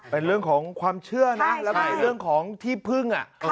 เป็นเรื่องของความเชื่อนะแล้วก็เป็นเรื่องของที่พึ่ง